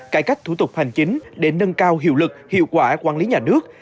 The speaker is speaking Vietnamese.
cải cách thủ tục hành chính để nâng cao hiệu lực hiệu quả quản lý nhà nước